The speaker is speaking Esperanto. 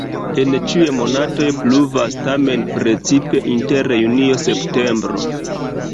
En ĉiuj monatoj pluvas, tamen precipe inter junio-septembro.